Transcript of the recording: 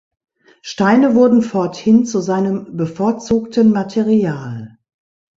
Steine wurden forthin zu seinem bevorzugten Material.